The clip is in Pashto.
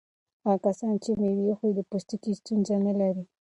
هغه کسان چې مېوه خوري د پوستکي ستونزې نه لري.